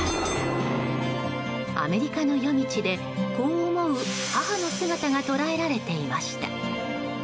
アメリカの夜道で子を思う母の姿が捉えられていました。